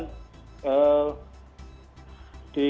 ya memang ada tingkat kelelahan yang itu kita sampaikan tetapi kemudian